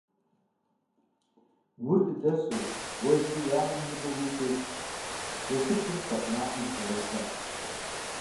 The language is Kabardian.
Ур дыдэсу, уэ иджыри уи анэ и ныбэ уилъу, жэщыбгым щэӀу макъым сыкъигъэушащ.